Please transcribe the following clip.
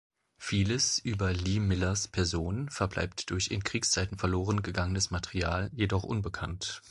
Vieles über Lee Millers Person verbleibt durch in Kriegszeiten verloren gegangenes Material jedoch unbekannt.